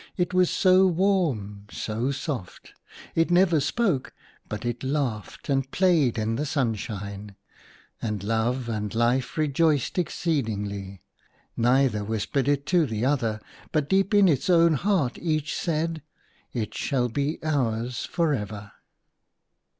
It was so warm, so soft ! It never spoke, but it laughed and played in the sun shine : and Love and Life rejoiced ex THE LOST JOY. 15 ceedingly. Neither whispered it to the other, but deep in its own heart each said, "It shall be ours for ever."